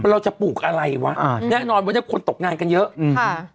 เราจะปลูกอะไรวะอ่าแน่นอนวันนี้คนตกงานกันเยอะอืมค่ะ